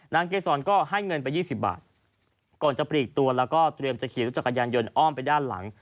เกษรก็ให้เงินไป๒๐บาทก่อนจะปลีกตัวแล้วก็เตรียมจะขี่รถจักรยานยนต์อ้อมไปด้านหลัง